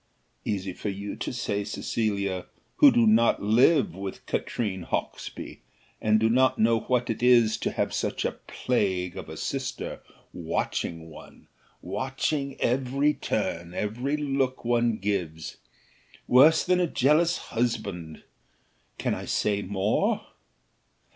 Easy for you to say, Cecilia, who do not live with Katrine Hawksby, and do not know what it is to have such a plague of a sister, watching one, watching every turn, every look one gives worse than a jealous husband. Can I say more?"